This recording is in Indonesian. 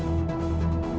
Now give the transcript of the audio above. aku mau ke rumah